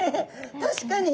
確かに。